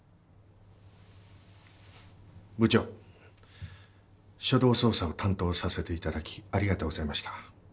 部長初動捜査を担当させて頂きありがとうございました。